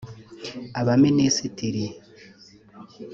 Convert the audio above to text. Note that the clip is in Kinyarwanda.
Abaminisitiri